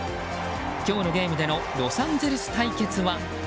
今日のゲームでのロサンゼルス対決は。